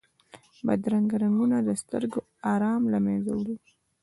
بدرنګه رنګونه د سترګو آرام له منځه وړي